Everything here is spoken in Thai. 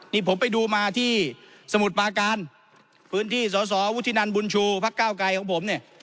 นี่ผมไปดูมาที่สมุทรปาการพื้นที่สอสอวุฒินันบุญชูพักเก้าไกรของผมเนี่ย